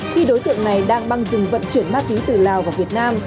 khi đối tượng này đang băng dừng vận chuyển ma túy từ lào vào việt nam